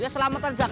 icenya sama lain bang